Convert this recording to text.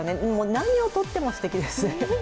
何をとっても、すてきです。